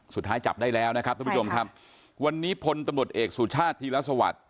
สุดท้ายจับได้แล้วนะครับท่านผู้ชมครับวันนี้พลตำรวจเอกสุชาติธีรสวัสดิ์